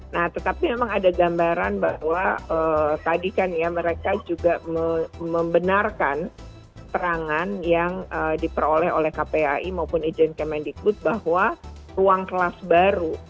nah tetapi memang ada gambaran bahwa tadi kan ya mereka juga membenarkan terangan yang diperoleh oleh kpai maupun ijen kemendikbud bahwa ruang kelas baru